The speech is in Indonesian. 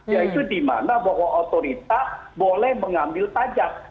yaitu dimana bahwa otorita boleh mengambil pajak